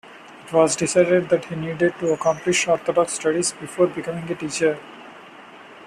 It was decided that he needed to accomplish Orthodox studies before becoming a teacher.